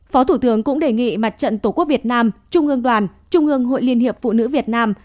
phó thủ tướng cũng đề nghị mặt trận tổ quốc việt nam trung ương đoàn trung ương hội liên hiệp phụ nữ việt nam